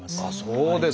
そうですか。